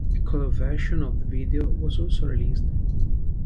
A color version of the video was also released.